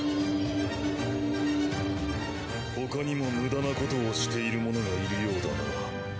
他にも無駄なことをしている者がいるようだな。